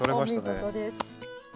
お見事です。